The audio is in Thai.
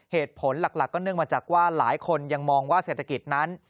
เหตุผลหลักก็เนื่องมาจากว่าหลายคนยังมองว่าเศรษฐกิจนั้น